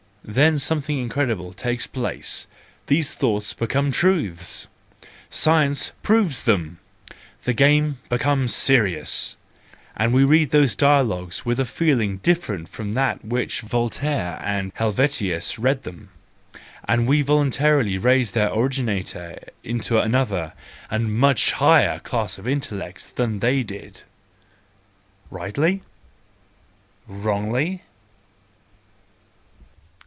Then something incredible takes place: these thoughts become truths! Science proves them ! The game becomes serious ! And we read those dialogues with a feeling different from that with which Voltaire and Helvetius read them, and we involuntarily raise their originator into another and much higher class of intellects than they did.— Rightly? Wrongly?